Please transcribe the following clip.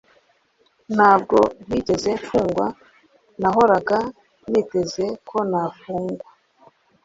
nubwo ntigeze mfungwa nahoraga niteze ko nafungwa.